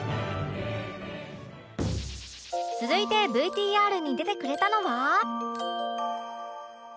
続いて ＶＴＲ に出てくれたのは